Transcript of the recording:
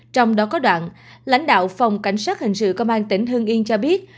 trong đó có đoạn lãnh đạo phòng cảnh sát hình sự công an tỉnh hưng yên cho biết